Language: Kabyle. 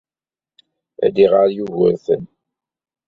Ad d-iɣer Yugurten.